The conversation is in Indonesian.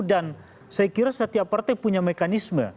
dan saya kira setiap partai punya mekanisme